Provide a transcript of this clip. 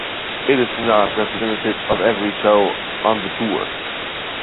It is not representative of every show on the tour.